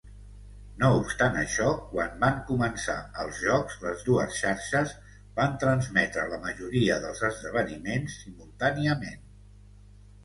No obstant això, quan van començar els Jocs, les dues xarxes van transmetre la majoria dels esdeveniments simultàniament.